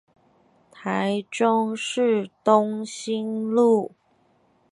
臺中市東興路